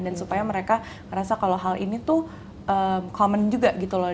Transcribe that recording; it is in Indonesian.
dan supaya mereka ngerasa kalau hal ini tuh common juga gitu loh